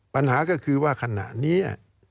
ปัญหาก็คือว่าขณะนี้